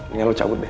ingin lo cabut deh